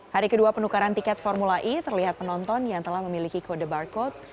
hari kedua penukaran tiket formula e terlihat penonton yang telah memiliki kode barcode